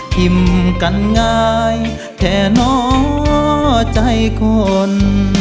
ทิมกันง่ายแท้น้อใจคน